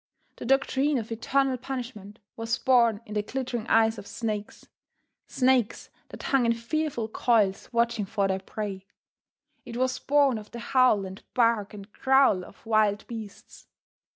The doctrine of eternal punishment was born in the glittering eyes of snakes snakes that hung in fearful coils watching for their prey. It was born of the howl and bark and growl of wild beasts.